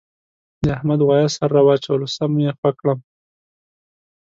د احمد غوایه سر را واچولو سم یې خوږ کړم.